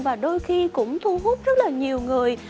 và đôi khi cũng thu hút rất là nhiều người